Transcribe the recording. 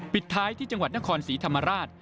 ปิดท้ายที่จังหวัดนครศรีธรรมราช